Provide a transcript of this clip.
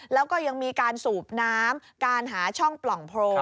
แล้วก็ยังมีการสูบน้ำการหาช่องปล่องโพรง